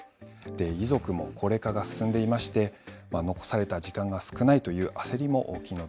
遺族も高齢化が進んでいまして、残された時間が少ないという焦り